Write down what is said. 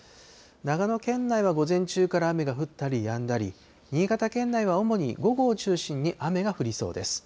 長野県内は午前中から雨が降ったりやんだり、新潟県内は主に午後を中心に雨が降りそうです。